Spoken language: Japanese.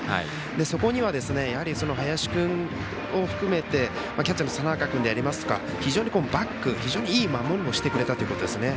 そこにはやはりその林君を含めてキャッチャーの佐仲君非常にバック、いい守りもしてくれたということですね。